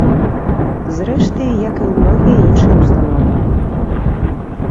Зрэшты, як і ў многія іншыя ўстановы.